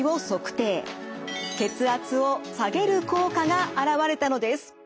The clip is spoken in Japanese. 血圧を下げる効果が現れたのです。